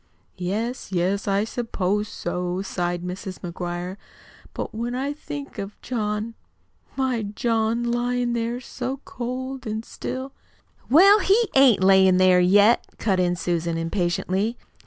"Yes, yes, I s'pose so," sighed Mrs. McGuire. "But when I think of John, my John, lyin' there so cold an' still " "Well, he ain't lyin' there yet," cut in Susan impatiently.